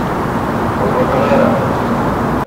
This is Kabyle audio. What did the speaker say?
Ur ruḥeɣ ara.